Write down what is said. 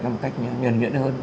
nói một cách nhuận nhuận hơn